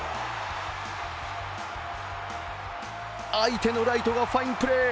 相手のライトがファインプレー。